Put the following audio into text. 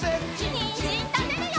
にんじんたべるよ！